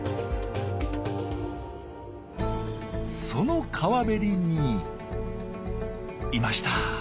その川べりにいました！